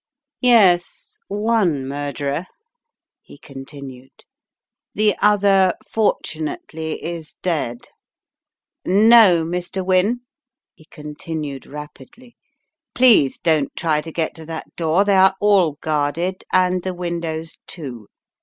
"Yes, one murderer," he continued, "the other, fortunately, is dead. No, Mr. Wynne," he con tinued, rapidly, "please don't try to get to that door, they are all guarded and the windows, too.